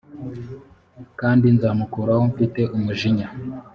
kandi nzamukuraho mfite umujinya